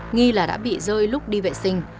nghi là đã bị rơi lúc đi vệ sinh